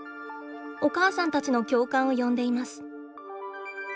お母さんたちの共感を呼んでいます。